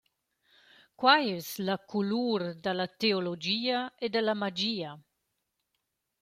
Quai es la culur da la teologia e da la magia.